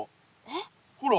ほら。